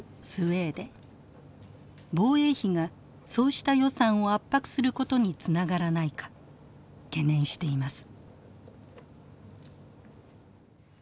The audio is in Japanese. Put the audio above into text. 防衛費がそうした予算を圧迫することにつながらないか懸念しています。